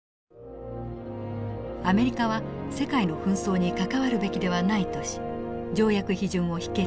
「アメリカは世界の紛争に関わるべきではない」とし条約批准を否決。